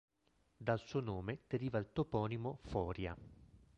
Dal suo nome deriva il toponimo "Foria".